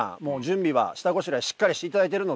準備は下ごしらえしっかりしていただいてるので。